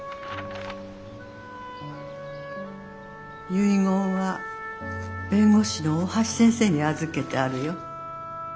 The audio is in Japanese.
「遺言は弁護士の大橋先生に預けてあるよ。